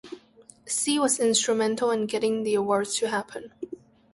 See was instrumental in getting the awards to happen.